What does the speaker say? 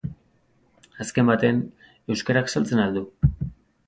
Azken batean, euskarak saltzen al du?